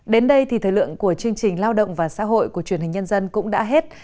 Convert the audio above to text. đến đây thì thời lượng của chương trình lao động và xã hội của truyền hình nhân dân cũng đã hết